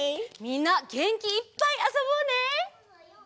みんなげんきいっぱいあそぼうね！